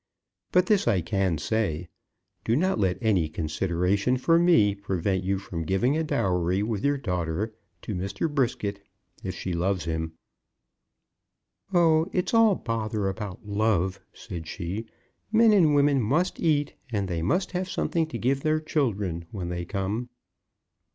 But this I can say; do not let any consideration for me prevent you from giving a dowry with your daughter to Mr. Brisket; if she loves him " "Oh, it's all bother about love," said she; "men and women must eat, and they must have something to give their children, when they come."